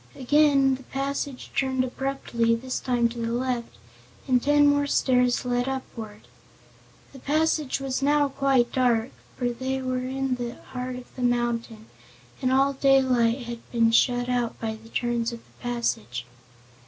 Again the passage turned abruptly, this time to the left, and ten more stairs led upward. The passage was now quite dark, for they were in the heart of the mountain and all daylight had been shut out by the turns of the passage.